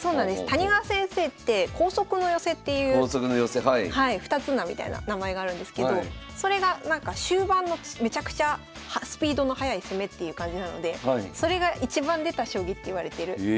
谷川先生って光速の寄せっていう二つ名みたいな名前があるんですけどそれがなんか終盤のめちゃくちゃスピードの速い攻めっていう感じなのでそれが一番出た将棋っていわれてるやつでございます。